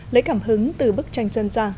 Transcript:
lấy cảm hứng từ bức tranh dân gia